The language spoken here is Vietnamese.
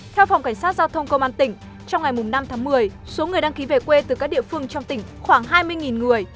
theo phòng cảnh sát giao thông công an tỉnh trong ngày năm tháng một mươi số người đăng ký về quê từ các địa phương trong tỉnh khoảng hai mươi người